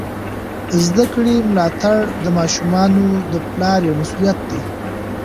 د زده کړې ملاتړ د ماشومانو د پلار یوه مسؤلیت ده.